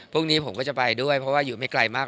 พรุ่งนี้ผมก็จะไปด้วยเพราะว่าอยู่ไม่ไกลมาก